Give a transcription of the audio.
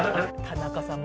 田中さん